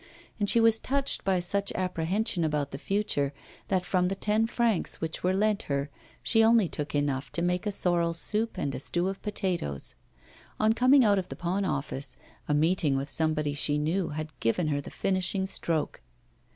And she was tortured by such apprehension about the future, that from the ten francs which were lent her she only took enough to make a sorrel soup and a stew of potatoes. On coming out of the pawn office, a meeting with somebody she knew had given her the finishing stroke.